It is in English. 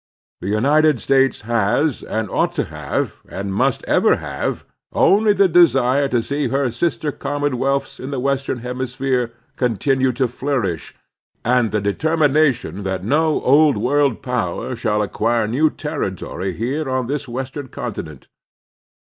The United States has, and ought to have, and must ever have, only the desire to see her sister com monwealths in the western hemisphere continue to flourish, and the determination that no Old Worid power shall acquire new territory here on this western continent.